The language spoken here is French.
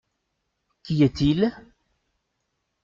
Qui est-il ?